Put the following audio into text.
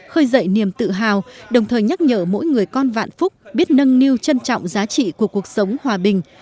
khơi dậy niềm tự hào đồng thời nhắc nhở mỗi người con vạn phúc biết nâng niu trân trọng giá trị của cuộc sống hòa bình